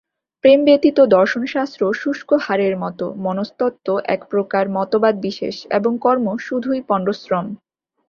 প্রেম ব্যতীত দর্শনশাস্ত্র শুষ্ক হাড়ের মত, মনস্তত্ত্ব একপ্রকার মতবাদ-বিশেষ এবং কর্ম শুধুই পণ্ডশ্রম।